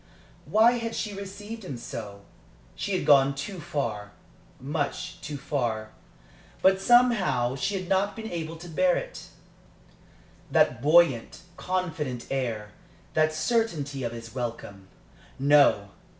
Why had she received him so? She had gone too far much too far. But, somehow, she had not been able to bear it that buoyant, confident air, that certainty of his welcome. No!